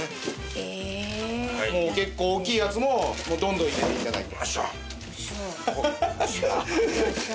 もう結構大きいやつもどんどん入れて頂いて。